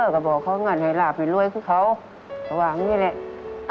ก็บอกเขางั้นให้ลาบให้รวยคือเขาก็ว่าอย่างนี้แหละ